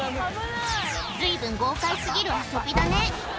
随分豪快過ぎる遊びだね